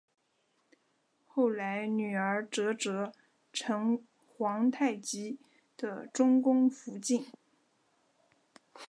后来女儿哲哲成皇太极的中宫福晋。